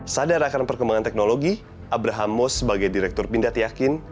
sadar akan perkembangan teknologi abraham mos sebagai direktur pindad yakin